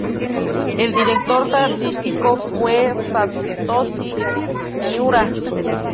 El director artístico fue Satoshi Miura.